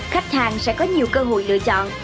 khách hàng sẽ có nhiều cơ hội lựa chọn